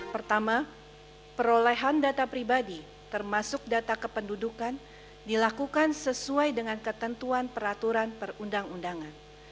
pertama perolehan data pribadi termasuk data kependudukan dilakukan sesuai dengan ketentuan peraturan perundang undangan